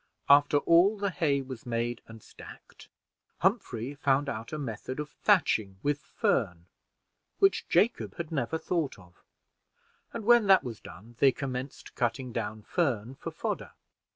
After all the hay was made and stacked, Humphrey found out a method of thatching with fern, which Jacob had never thought of; and when that was done, they commenced cutting down fern for fodder.